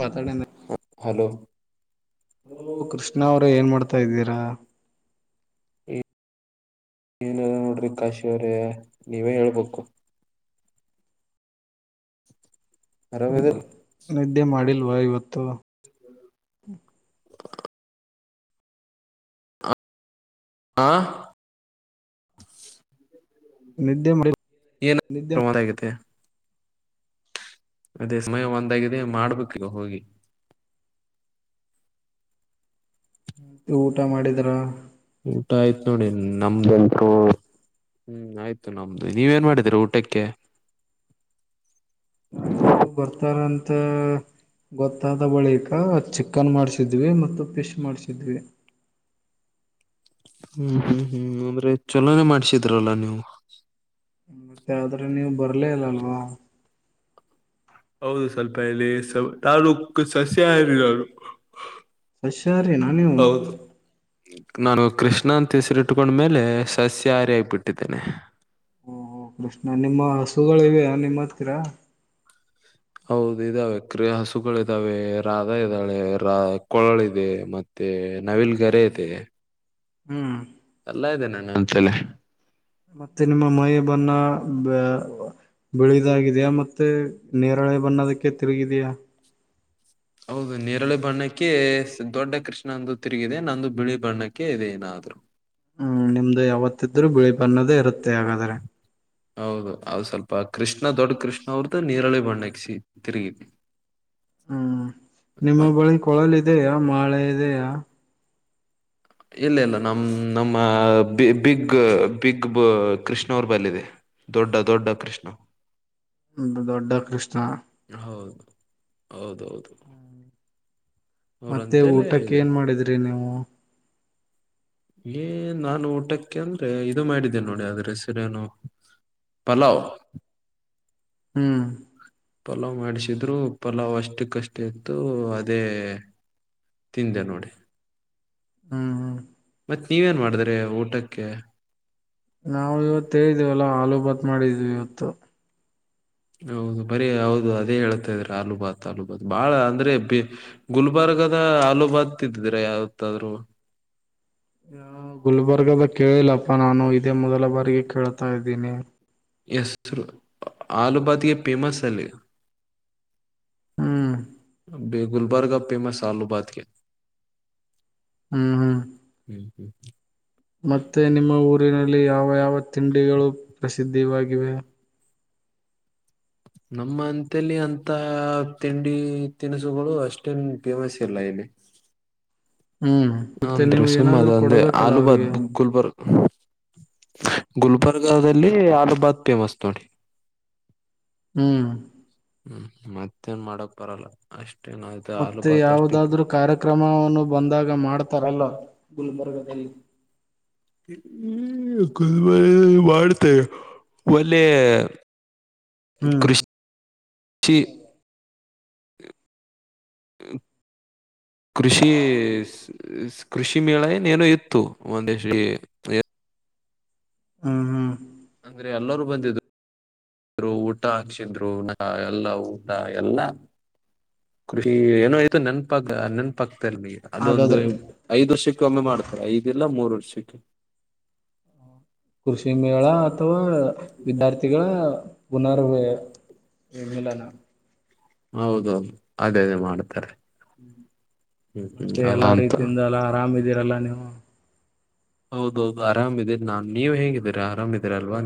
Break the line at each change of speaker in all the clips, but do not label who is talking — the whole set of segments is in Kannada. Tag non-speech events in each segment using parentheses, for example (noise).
ಹತಡ (inaudible)
ಹಲೋ
ಹಲೋ ಕೃಷ್ಣ ಅವ್ರ ಏನ್ ಮಾಡ್ತಾ ಇದ್ದೀರಾ
ಏನಿಲ್ಲ ನೋಡ್ರಿ ಕಾಶಿ ಅವ್ರೇ ನೀವೇ ಹೇಳ್ಬೇಕು ಆರಾಮದ
ನಿದ್ದೆ ಮಾಡಿಲ್ವಾ ಇವತ್ತು
ಆಂ
ನಿದ್ದೆ ಮಾಡ
ಏನ-ಮ ಆಗತೆ ಅದೇ ಸಮಯ ಒಂದಾಗಿದೆ ಮಾಡ್ಬೇಕು ಹೋಗಿ
ಮ ಊಟ ಮಾಡಿದ್ರ
ಊಟ ಆಯ್ತ್ ನೋಡಿ ನಮ್ದಲ್ಪು ಹ್ಮ್ ಆಯ್ತು ನಮ್ದು ನೀವೇನ ಮಾಡಿದೀರ ಊಟಕ್ಕೆ
ನಾವು ನೀವು ಬರ್ತಾರಂತ ಗೊತ್ತಾದ ಬಳಿಕ ಚಿಕನ್ ಮಾಡಿಸಿದ್ವಿ ಮತ್ತು ಫಿಶ್ ಮಾಡ್ಸಿದ್ವಿ
ಹ್ಮ್ ಹ್ಮ್ ಹ್ಮ್ ಅಂದ್ರೆ ಚೆನ್ನಾಗೆ ಮಾಡ್ಸಿದ್ರಲ್ಲ ನೀವು
ಮತ್ತೆ ಆದ್ರೆ ನೀವು ಬರ್ಲೇ ಇಲ್ಲ ಅಲ್ವಾ
ಹೌದು ಸ್ವಲ್ಪ ಇಲ್ಲಿ ಸ ತಾನು ಉಕ್ಕ ಸಸ್ಯ ಹಾರಿನಾನು
ಸಸ್ಯಾಹಾರಿನಾ ನೀವು
ಹೌದು ನಾನು ಕೃಷ್ಣ ಅಂತ ಹೆಸರಿಟ್ಕೊಂಡ್ಮೇಲೆ ಸಸ್ಯ ಆರಗ್ಬಿಟ್ಟಿದ್ದೇನೆ
ಓ ಹ ಕೃಷ್ಣ ನಿಮ್ಮ ಹಸುಗಳಿವೆಯ ನಿಮ್ಮ ಹತ್ತಿರಾ
ಹೌದು ಇದಾವೆ ಕ್ರಿಯ ಹಸುಗಳ ಇದ್ದಾವೆ ರಾಧಾ ಇದ್ದಾಳೆ ರಾ ಕೊಳಳದೆ ಮತ್ತೆ ತೇ ನವಿಲ್ ಗರೆೇತೆ
ಹ್ಮ್
ಎಲ್ಲ ಇದೇ ನ್ ಹಂತೆಲಿ
ಮತ್ತೆ ನಿಮ್ಮ ಮೈ ಬಣ್ಣ ಬೆಳಿದಾಗಿದೆಯ ಮತ್ತೆ ನೇರಳೆ ಬನ್ನೋದಕ್ಕೆ ತಿರುಗಿದಯಾ
ಹೌದು ನೇರಳೆ ಬಣ್ಣಕ್ಕೆ ದೊಡ್ಡ ಕೃಷ್ಣಂದು ತಿರುಗಿದೆ ನಂದು ಬಿಳಿ ಬಣ್ಣಕ್ಕೆ ಇದೆ ನಾದುರ
ಹ್ಮ್ ನಿಮ್ದು ಯಾವತ್ತಿದ್ರು ಬಿಳಿ ಬನ್ನದೇ ಇರುತ್ತೆ ಹಾಗಾದ್ರೆ
ಹೌದು ಅದು ಸ್ವಲ್ಪ ಕೃಷ್ಣ ದೊಡ್ಡ ಕೃಷ್ಣ ಅವ್ರ್ದ ನೀರಳಿ ಬಣ್ಣಕ್ ತಿರುಗಿ
ಹ್ಮ್ ನಿಮ್ಮ ಬಳಿ ಕೊಳಲ್ ಇದೆಯ ಮಾಳೆ ಇದೆಯಾ
ಇಲ್ಲ ಇಲ್ಲ ನಮ್ಮ ನಮ್ಮ ಬಿಗ್ ಬಿಗ್ ಕೃಷ್ಣವರ್ ಬಲ್ಲಿದೆ ದೊಡ್ಡ ದೊಡ್ಡ ಕೃಷ್ಣ
ದೊಡ್ಡ ದೊಡ್ಡ ಕೃಷ್ಣ
ಹೌದು ಹೌದೌದು
ಹ್ಮ ಮತ್ತೆ
ಅವ್ರಂತೆಲೆ
ಊಟಕ್ಕೆ
ಇದೆ
ಏನ್ ಮಾಡಿದ್ರಿ ನೀವು
ಏ ನಾನು ಊಟಕ್ಕೆ ಅಂದ್ರೆ ಇದು ಮಾಡಿದ್ದೇನೆ ನೋಡಿ ಆದ್ರೆಸರೇನು ಪಲಾವ
ಹ್ಮ್
ಪಲಾವ್ ಮಾಡಿಸಿದ್ರು ಪಲಾವ್ ಅಷ್ಟಕ್ಕಷ್ಟ ಇತ್ತು ಅದೇ ತಿಂದೆ ನೋಡಿ
ಹ್ಮ್ ಹ್ಮ್
ಮತ್ತ್ ನೀವೇನ್ ಮಾಡಿದ್ರಿ ಊಟಕ್ಕೆ
ನಾವವು ಇವತ್ತು ಹೇಳಿದೀವಲ್ಲಾ ಆಲೂ ಬತ್ ಮಾಡಿದೀವಿ ಇವತ್ತು
ಹೌದು ಬರೀ ಹೌದು ಅದೇ ಹೇಳ್ತಾ ಇದ್ರ ಅಲೂಬಾತ್ ಅಲೂಬಾತ್ ಬಾಳ ಅಂದ್ರೆ ಬಿ ಗುಲ್ ಗುಲ್ಬರ್ ದು ಆಲೂಬಾತ್ ತಿದಿದೀರ ಯಾವತ್ತಾದ್ರೂ
ಹ (inaudible) ಯ ಗುಲ್ಬರ್ಗದ ಕೇಳಿಲ್ಲಪ್ಪಾ ನಾನು ಇದೇ ಮೊದಲ ಬಾರಿಗೆ ಕೇಳ್ತಾ ಇದ್ದೀನಿ
ಎಸ್ ಆಲೂಬಾತಿಗೆ ಫೇಮಸ್ ಅಲ್ಲಿ
ಹ್ಮ್
ಗುಲ್ಬರ್ಗ ಅಫೇಮಸ್ ಆಲೂಬಾದಕೆ
ಹ್ಮ್
ಹ್ಮ
ಹ್ಮ್
ಹ (unintelligible)
ಮತ್ತೆ ನಿಮ್ಮ ಊರಿನಲ್ಲಿ ಯಾವ ಯಾವ ತಿಂಡಿಗಳು ಪ್ರಸಿದ್ಧಿ ಯಾಗಿವೆ?
ಹ್ಮ್ ನಮ್ಮ ಅಂತಲ್ಲಿ ಅಂತ ತಿಂಡಿ ತಿನಿಸುಗಳು ಅಷ್ಟೇನ್ ಫೇಮಸ್ ಇಲ್ಲ ಇಲ್ಲಿ
(inaudible) ಹ್ಮ್ ಮತ್ತೆ
ಅಂದ್ರೆ
ನೀವು
ಸುಮ್ಮ ಅದ
ಏನಾದರು
ಅಂದ್ರೆ
ಕೊಡ್ಬೇಕಲ್ಲ
ಆಲೂಬಾದ್
ಅವ್ರಿಗೆ (inaudible)
ಗುಲ್ಬರ್ಗಲ್ಲಿ ಆಲಬಾದ್ ಫೇಮಸ್ ನೋಡಿ
ಹ್ಮ್
ಹ್ಮ್ ಮತ್ತೇನ್ ಮಾಡಕ್ ಬರಲ್ಲ ಅಷ್ಟ
ಮತ್ತೆ ಯಾವದಾದ್ರರು ಕಾರ್ಯಕ್ರಮವನ್ನು ಬಂದಾಗ ಮಾಡ್ತಾರಲ್ಲ ಗುಲ್ಬರ್ಗದಲ್ಲಿ ಹ
ಗುಲ್ಬರ್ಗ ದಲ ಮಾಡತೆೆ ಒಳ್ಳೆ
ಹ್ಮ್
ಛಿ ಕೃಷಿ ಕೃಷಿ ಮೇಳ ಏನ ಏನೋ ಇತ್ತು ಒಂದ್ರೀ
ಹ್ಮ್ ಹ್ಮ್
ಅಂದ್ರೆ ಎಲ್ಲರೂ ಬಂದಿದ್ದು ಇದರು ಊಟ ಹಾಚ್ಚಿದ್ರು ನ ಎಲ್ಲಾ ಊಟ ಎಲ್ಲಾ ಕೃಷಿ ಏನೋ ಆತು ನೆನ್ಪಾ ನೆನ್ಪಕ್ ಗ ಅದೊಂದು
ಹಾಗಾದ್ರೆ
ಐದ್ ವರ್ಷಕ್ಕೆ ಒಮ್ಮೆ ಮಾಡ್ತಾರೆ ಐದಿಲ್ಲ ಮೂರು ವರ್ಷಕ್ಕೆ (inaudible)
ಕೃಷಿ ಮೇಳ ಅಥವಾ ವಿದ್ಯಾರ್ಥಿಗಳ ಪುನರ್ವ್ಯ
ಹೌದೌದು ಅದೇ ಅದೇ ಮಾಡ್ತಾರೆ
ಹ್ಮ
ಹ್ಮ್ ಹ್ಮ್
ಮತ್ತೆ
ಅದ
ಎಲ್ಲಾ
ಅಂತ
ರೀತಿಯಿಂದ ಎಲ್ಲ ಆರಾಮಿದೀರಲ್ಲ ನೀವು
ಹೌದೌದು ಆರಾಮಿದಿನಿ ನಾನ್ ನೀವ್ ಹೇಂಗಿದ್ದೀರಾ ಆರಾಮ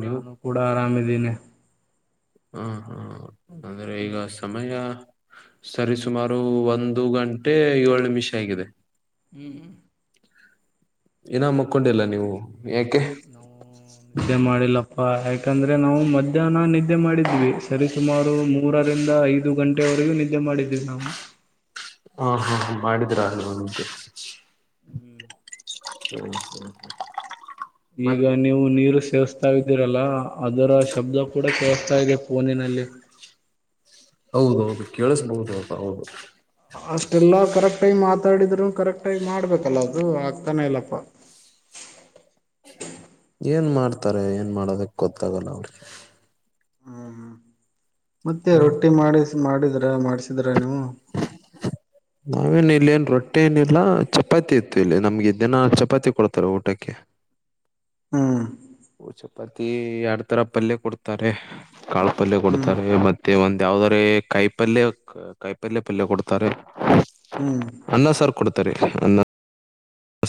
ನಾನು ಕೂಡ ಆರಾಮಿದ್ದೀನಿ
ಹ ಹಾ ಆದ್ರೆ ಈಗ ಸಮಯ ಸರಿ ಸುಮಾರು ಒಂದು ಗಂಟೆ ಒಂದು ಗಂಟೆ ಏಳ ನಿಮಿಷ ಆಗಿದೆ
ಹ್ಮ್
ಏನ ಮಕ್ಕೊಂಡಿಲ್ಲ ನೀವು ಯಾಕೆ
ನಾ ನಿದೆ ಮಾಡಿಲ್ಲಪ್ಪ ಯಾ ಯಾಕಂದ್ರೆ ನಾವು ಮಧ್ಯಾಹ್ನ ನಿದ್ದೆ ಮಾಡಿದ್ವಿ ಸರಿ ಸುಮಾರು ಮೂರರಿಂದ ಐದು ಗಂಟೆವರೆಗೂ ನಿದ್ದೆ ಮಾಡಿದೀವಿ ನಾವು
ಹಾ ಹಾ ಮಾಡಿದ್ರ ಅಹಲ್ವಾ ನಿಮಗೆ ಹ್ಮ್ ಹ್ಮ್ ಹ್ಮ್
ಈಗ ನೀವು ನೀರು ಸೇಸ್ತಾ ಇದ್ದೀರಲ್ಲ ಅದರ ಶಬ್ದ ಕೂಡ ಕೇಳ್ಸ್ತಾ ಇದೆ ಫೋನಿನ ನಲ್ಲಿ
ಹೌದೌದು ಕೇಳಿಸಬಹುದುಪ್ಪ ಹೌದು
ಅಷ್ಟೆಲ್ಲಾ ಕರೆಕ್ಟಗ ಮಾತಾಡಿದ್ರು ಕರೆಕ್ಟ ಆಗಿ ಮಾಡ್ಬೇಕಲ್ಲ ಅದು ಆಗ್ತಾನೆ ಇಲ್ಲಪ್ಪ
ಏನ್ ಮಾಡ್ತಾರೆ ಏನ್ ಮಾಡೋದಕ್ ಗೊತ್ತಾಗಲ್ಲ ಅವ್ರಿಗೆ
ಹ್ಮ ಹ್ಮ ಮತ್ತೆ ರೊಟ್ಟಿ ಮಾಡಿಸ ಮಾಡಿದ್ರ ಮಾಡಿಸಿದ್ರ ನೀವು
ನಾವೇನು ಇಲ್ಲಿ ಏನ್ ರೊಟ್ಟಿ ಊಟ ಏನಿಲ್ಲ ಚಪಾತಿ ಇತ್ತು ಇಲ್ಲಿ ನಮ್ಗೆ ದಿನ ಚಪಾತಿ ಕೊಡ್ತಾರ ಊಟಕ್ಕೆ
ಹ್ಮ
ಪತಿ ಎಡ್ ತರ ಪಲ್ಯ ಕೊಡ್ತಾರೆ ಕಾಳ ಪಲ್ಯ ಕೊಡ್ತಾರೆ
ಹ್ಮ್
ಮತ್ತೆ ಒಂದ್ ಯಾವದ್ರ ಕಾಯಿ ಪಲ್ಯ ಕಾಯಿ ಪಲ್ಯ ಪಲ್ಯ ಕೊಡ್ತಾರೆ
ಹ್ಮ್
ಅನ್ನ ಸಾರ್ ಕೊಡ್ತಾರೆ ಅನ್ನ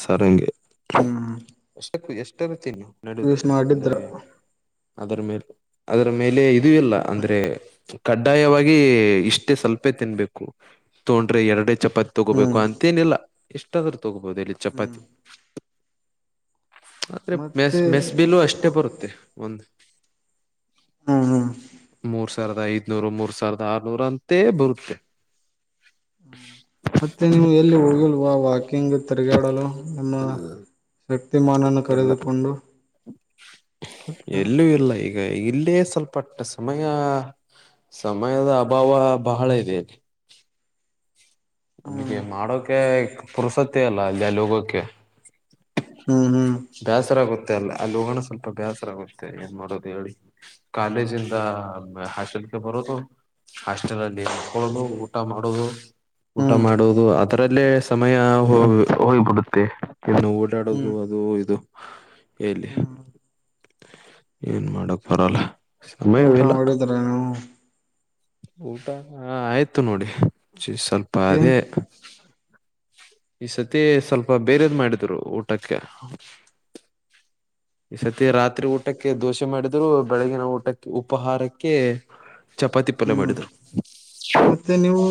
ಸಾರ್ ಹಂಗೆ
ಹ್ಮ್
ಕ್ಕೂ ಎಷ್ಟರತಿನ
ಯೂಸ್
ನಡೆಯುತ್ತೆ
ಮಾಡಿದ್ರ
ಅಂದ್ರೆ ಅದರ ಮೇಲೆ ಅದರ ಮೇಲೆ ಇದು ಇಲ್ಲ ಅಂದ್ರೆ ಕಡ್ಡಾಯವಾಗಿ ಇಷ್ಟೇ ಸ್ವಲ್ಪೇ ತಿನ್ಬೇಕು ತೊೊಂಡ್ರೆ ಎರಡ ಚಪಾತಿ ತಗೋಬೇಕು
ಹ್ಮ್
ಅಂತೇನಿಲ್ಲ ಎಷ್ಟಾದ್ರೂ ತಗೋಬೋದು ಇಲ್ಲಿ
ಹ್ಮ್
ಚಪಾತಿ ಆದ್ರೆ ಮೆಸ್
ಮತ್ತೆ
ಮೆಸ್ಬಿಲು ಅಷ್ಟೇ ಬರುತ್ತೆ ಒಂದು ಹ
ಹ್ಮ್
(unintelligible)
ಹ್ಮ್
ಮೂರ್ ಸಾವಿರದ ಐದನೂರ ಮೂರ್ ಸಾವಿರದ ಆರ್ನೂರ ಅಂತ ಬರುತ್ತೆ
ಮತ್ತೆ ನೀವು ಎಲ್ಲಿ ಹೋಗಿಲ್ವಾ ವಾಕಿಂಗ್ ತಿರ್ಗಾಡಲು ನಿಮ್ಮ ಶಕ್ತಿಮಾನನ್ನು
ಎಲ್ಲ
ಕರೆದುಕೊಂಡು
ಎಲ್ಲೂ ಇಲ್ಲ ಈಗ ಇಲ್ಲೇ ಸ್ವಲ್ಪ ಪಟ್ ಸಮಯ ಸಮಯದ ಅಭಾವ ಬಹಳ ಇದೆ ನಮ್ಗೆ
ಹ್ಮ್
ಮಾಡೋಕೆ ಪುರಸತ್ತ ಅಲ್ಲ ಅಲ್ಲಿ ಲೋಗೋಕ
ಹ್ಮ್ ಹ್ಮ್
ಬೇಸರಗುತ್ತ ಮ ಅ ಅಲ್ಲಿ ಹೋಗೋಣ ಸ್ವಲ್ಪ ಬೇಸರ ಆಗಷ್ಟೆ ಏನ್ ಮಾಡೋದು ಹೇಳಿ ಕಾಲೇಜಿಂದ ಹಲ್ ಬರುದು ಹಾಸ್ಟೆಲ್ ಅಲ್ಲಿ ಇಕೊಳ್ಳೋದು ಊಟ ಮಾಡೋುದು ಊಟ
ಹ್ಮ್
ಮಾಡುವುದು ಅದರಲ್ಲೇ ಸಮಯ ಹ ಹೋಗ್ಬಿಡುತ್ತೆ ಇನ್ನು
ಹ್ಮ್
ಓಡಾಡೋದು ಅದು ಇದು ಎಲ್ಲಿ
ಹ್ಮ್
ಏನ್ ಮಾಡಕ್ ಬರಲ್ಲ
ಊಟಾ
ಸಮಯವಿಲ್ಲ
ಮಾಡಡಿದರನು
ಊಟ ಆಯ್ತು ನೋಡಿ ಸ್ವಲ್ಪ
ಏನ್
ಅದೇ ಈ ಸತಿ ಸ್ವಲ್ಪ ಬೇರೆದ್ ಮಾಡಿದ್ರು ಊಟಕ್ಕೆ ಈ ಸತಿ ರಾತ್ರಿ ಊಟಕ್ಕೆ ದೋಸೆ ಮಾಡಿದ್ರು ಬೆಳಗಿನ ಊಟಕ್ಕೆ ಉಪಹಾರಕ್ಕೆ ಚಪಾತಿ ಪಲ್ಯ
ಹ್ಮ್
ಮಾಡಿದ್ರು
ಮತ್ತೆ ನೀವು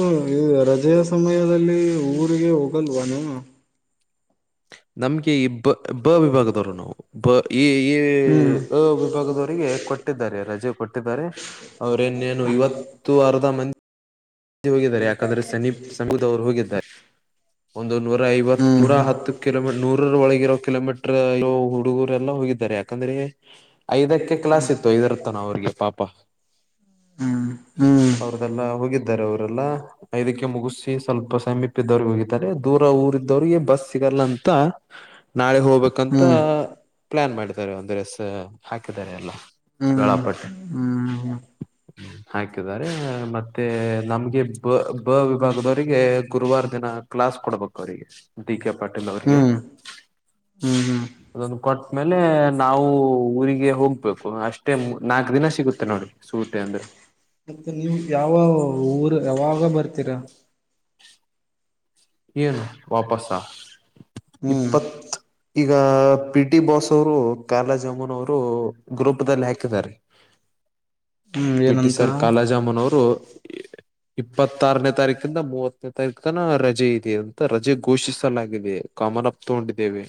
ರಜೆಯ ಸಮಯದಲ್ಲಿ ಊರಿಗೆ ಹೋಗಲ್ವಾನ
ನಮ್ಗೆ ಈಬ್ಬಬ ವಿಭಾಗದವರು ನಾವು ಬ ಈ ಈ
ಹ್ಮ್
ವಿಭಾಗದವರಿಗೆ ಕೊಟ್ಟಿದ್ದಾರೆ ರಜೆ ಕೊಟ್ಟಿದ್ದಾರೆ ಅವ್ರೇನೇನು ಇವತ್ತು ಅರ್ಧ ಮಂದಿ ಸಿ ಹೋಗಿದ್ದಾರೆ ಯಾಕಂದ್ರೆ ಸನೀಪ್ ಸಮೂದವರು ಹೋಗಿದ್ದಾರೆ ಒಂದು ನೂರ ಐವತ್
ಹ್ಮ್
ನೂರ ಹತ್ತು ಕಿಲೋಮ ನೂರ ಒಳಗಿರೋ ಕಿಲೋಮೀಟರ್ ಹುಡುಗರೆಲ್ಲಾ ಹೋಗಿದ್ದಾರೆ ಯಾಕಂದ್ರೆ ಐದಕ್ಕೆ ಕ್ಲಾಸ್ ಇತ್ತು ಐದರತನ ಅವ್ರಿಗೆ ಪಾಪ
ಹ್ಮ್ ಹ್ಮ್ ಹ್ಮ್
ಅವ್ರ್ದಲ್ಲ ಹೋಗಿದ್ದ ರೆಲ್ಲ ಐದಕ್ಕೆ ಮುಗಿಸಿ ಸ್ವಲ್ಪ ಸಮೀಪ್ದವ್ರಿಗೆ ಹೋಗತಾರೆ ದೂರ ಊರ ಇದವ್ರಿಗೆ ಬಸ್ ಸಿಗಲ್ಲ ಅಂತ ನಾಳೆ ಹೋಗ್ಬೇಕಂತ
ಹ್ಮ್
ಪ್ಲಾನ್ ಮಾಡಿದ್ದಾರೆ ಒಂದು ರಸ್ ಹಾಕಿದ್ದಾರೆ ಎಲ್ಲ
ಹ್ಮ್
ವಳಾಪಟ್ಟೆ
ಹ್ಮ್
ಹಾಕಿದ್ದಾರೆ ಮತ್ತೆ ನಮ್ಗೆ ಬ ಬ ವಿಭಾಗದವರಿಗೆ ಗುರುವಾರ ದಿನ ಕ್ಲಾಸ್ ಕೊಡ್ಬೇಕು ಅವರಿಗೆ ಡಿ ಕೆ ಪಾಟೀಲ್ ಅವರಿಗೆ
(inaudible)
ಅದೊಂದು ಕೊಟ್ಟ ಮೇಲೆ ನಾವು ಊರಿಗೆ ಹೋಗ್ಬೇಕು ಅಷ್ಟೇ ನಾಕ್ ದಿನ ಸಿಗುತ್ತೆ ನೋಡ್ರಿ ಸೂಟ ಅಂದ್ರೆ
ಮತ್ತೆ ನೀವು್ ಯಾವ ಊರ್ ಯಾವಾಗ ಬರ್ತೀರಾ
ಏನು ವಾಪಸ
ಹ್ಮ್
ಇಪ್ಪತ್ ಈಗ ಪಿ ಟಿ ಬಾಸ್ ಅವರು ಕಾರ್ಲ ಜಮುನ್ ಅವರು ಗ್ರೂಪ್ ದಲ್ಲಿ ಹಾಕಿದ್ದಾರೆ
ಹ್ಮ್
ಪಿ
ಏನಂತ
ಟಿಸರ್ ಕಾಲಾಜಾಮನ್ ಅವರು ಇಪ್ಪತ್ತಾರನೇ ತಾರೀಕಿಂದ ಮೂವತ್ತನೇ ತಾರೀಕ ತನ ರಜೆ ಇದೆ ಅಂತ ರಜೆ ಘೋಷಿಸಲಾಗಿದೆ ಕಮನಪ್ಪ ತೊಂಡಿದ್ದೇವೆ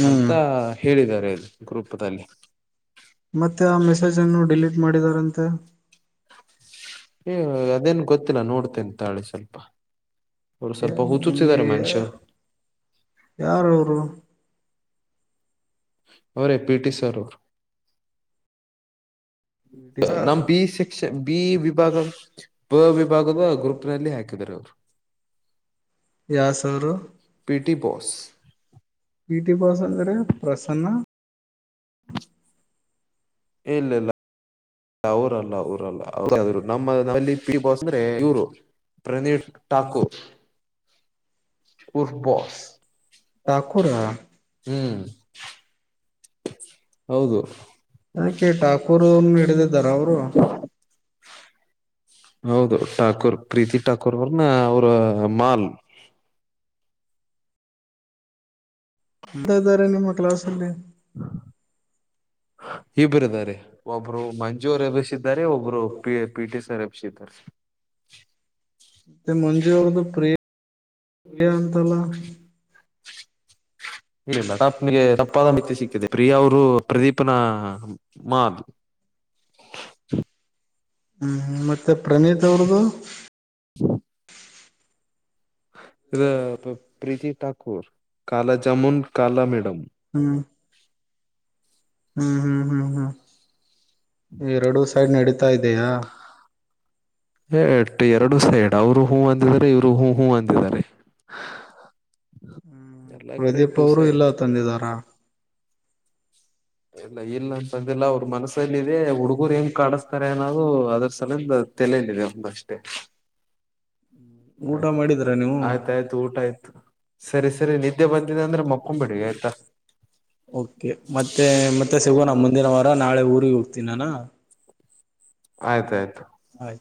ಹ್ಮ್
ಅಂತ ಹೇಳಿದ್ದಾರೆ ಗ್ರೂಪದಲ್ಲಿ
ಮತ್ತೆ ಆ ಮೆಸೇಜ್ ಅನ್ನು ಡಿಲೀಟ್ ಮಾಡಿದಾರಂತೆ
ಏ ಅದೇನ್ ಗೊತ್ತಿಲ್ಲ ನೋಡ್ತೆಂತಾಳಿ ಸ್ವಲ್ಪ ಅವರು ಸ್ವಲ್ಪ ಹಊಚುಸಿದ್ದಾರೆ ಮನುಷ್ಯ
ಯಾರ ಅವರು
ಅವರೇ ಪಿ ಟಿ ಸರ್ ಅವರು
ಪಿಟಿ
ನಮ್ಮ ಬಿ ಸೆಕ್ಷನ್ ಬಿ ವಿಭಾಗ ವಿಭಾಗದ ಗ್ರೂಪ್ ನಲ್ಲಿ ಹಾಕಿದ್ದಾರೆ ಅವ್ರು
ಯಾಸ್ ಅವರು
PT boss
P T boss ಅಂದ್ರೆ ಪ್ರಸನ್ನ
ಇಏಲ್ಲಲ್ಲ ಅವರಲ್ಲ ಅವಊರಲ್ಲ ನಮ್ಮಲ್ಲಿ ಬಾಸ್ ಅಂದ್ರೆ ಇರು ಪ್ರನೀಪ್ ಠಾಕೂರ್ ಪೂರ್ಬಸ್
ಠಾಕೂರ
ಹ್ಮ್ ಹೌದು
ಅದಕ್ಕೆ ಠಾಕೂರ್ ಅವ್ರನ್ನ ಹಿಡಿದಿದ್ದಾರ ಅವರು
ಹೌದು ಠಾಕೂರ್ ಪ್ರೀತಿ ಠಾಕೂರ್ ಅವರ್ನ್ನ ಅವ್ರ ಮಾಲ್
ಅತ್ತ ತಾರೆನ ಮಕ್ಲಸ ಅಲ್ಲೇ
ಇಬ್ಬರು ಇದಾರೆ ಒಬ್ರು ಮಂಜುರು ಎಬ್ಿಸಿದ್ದಾರೆ ಒಬ್ರು ಪಿ ಪಿ ಟಿ ಸರ್ ಎಬ್ಸಿದ್ದಾರೆ
ಮಜೆ ಒದು ಪ್ರಿಯ ಅಂತಲ್ಲ
ಇಲ್ಲಿ ಮಡಾಪ್ನಗೆ ತಪ್ಪಾದ ಮಿತಿ ಸಿಕ್ಕಿದೆ ಪ್ರಿಯಾ ಅವರು ಪ್ರದೀಪನ ಮಾದ
ಹ್ಮ್ ಮತ್ತೆ ಪ್ರನೀತ್ ಅವ್ರ್ದು
ಹ ಇದು ಪ್ರೀತಿ ಠಾಕೂರ್ ಕಾಲಾ ಜಾಮುನ್ ಕಾಲಾ ಮೇಡಮ್
ಹ್ಮ ಹ್ಮ್ ಹ್ಮ್ ಹ್ಮ್ ಹ್ಮ್ ಈರಡುೂ ಸೈಡ್ ನಡೀತಾ ಇದೆಯಾ
ಎಟ್ಟ ಎರಡು ಸೈಡ್ ಅವರು ಹೂಞ ಅಂದಿದ್ದಾರೆ ಇವ್ರು ಹೂ ಹೂ ಅಂದಿದ್ದಾರೆ
ಹ್ಮ
ಎಲ್ಲಾ ಕಡೆ
ಪ್ರದೀಪ್
ಟೂ
ಅವರು
ಸೈಡ್
ಇಲ್ಲ ತಂದಿದಾರ
ಇಲ್ಲ ಇಲ್ಲ ಅಂತಂದಿಲ್ಲ ಅವರು ಮನಸಲ್ಲ ಇದೆ ಹುಡುಗರು ಹೆಂಗ್ ಕಡಿಸಸ್ತಾರೆ ಏನಾದ ಹ ಅದ್ರ ಸಲಂದ ತಲನಿದೆ ಒಂದಷ್ಟೆ
ಊಟ ಮಾಡಿದ್ರ ನೀವು
ಆಯ್ ಆಯ್ತಾಯ್ತು ಊಟ ಆಯ್ತು ಸರಿ ಸರಿ ನಿದ್ದೆ ಬಂದಿದೆ ಅಂದ್ರೆ ಮಕ್ಕೊೊಂಡ್ ಬಿಿಡಿಗೆ ಆಯ್ತಾ
ಓಕೆ ಮತ್ತೆ ಮತ್ತೆ ಸಿಗೋಣ ಮುಂದಿನ ವಾರ ನಾಳೆ ಊರಿಗೆ ಹೋಗ್ತೀನಿಾನ
ಆಯ್ತಾಯ್ತು
ಹಯ್